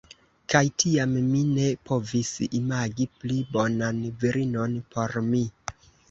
Kaj tiam, mi ne povis imagi pli bonan virinon por mi.